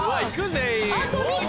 全員。